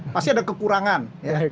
pasti ada kekurangan ya